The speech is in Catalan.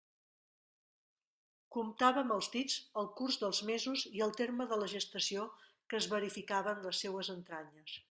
Comptava amb els dits el curs dels mesos i el terme de la gestació que es verificava en les seues entranyes.